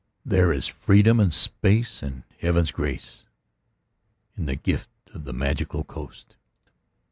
There is freedom and space and Heaven's grace In the gift of the Magical Coast.